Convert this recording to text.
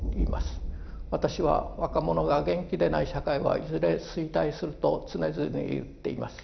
私は若者が元気でない社会はいずれ衰退すると常々言っています。